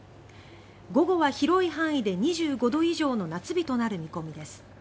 午後は広い範囲で２５度以上の夏日となる見込みです。